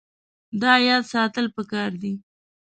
دا یاد ساتل پکار دي.